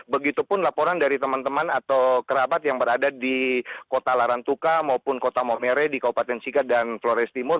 begitupun laporan dari teman teman atau kerabat yang berada di kota larantuka maupun kota momere di kabupaten sika dan flores timur